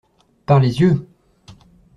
Par les yeux!